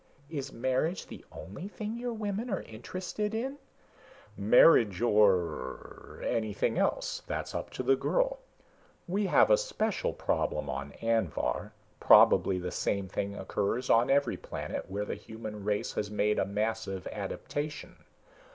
"Is marriage the only thing your women are interested in?" "Marriage or ... anything else. That's up to the girl. We have a special problem on Anvhar probably the same thing occurs on every planet where the human race has made a massive adaptation.